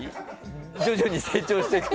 徐々に成長していく。